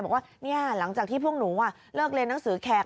บอกว่าหลังจากที่พวกหนูเลิกเรียนหนังสือแขก